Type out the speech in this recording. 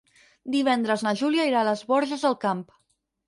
Divendres na Júlia irà a les Borges del Camp.